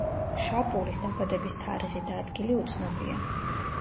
შაპურის დაბადების თარიღი და ადგილი უცნობია.